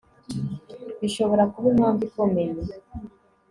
bishobora kuba impamvu ikomeye